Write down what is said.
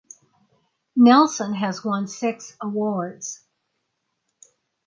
Nelson has won six awards.